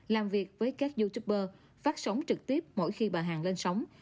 làm việc với các youtuber phát sóng trực tiếp mỗi khi bà hàng lên sóng